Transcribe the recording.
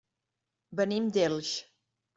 Venim d'Elx.